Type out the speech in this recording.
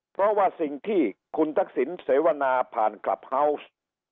เพราะว่าสิ่งที่คุณทักษิณเสวนาผ่านคลับเฮาวส์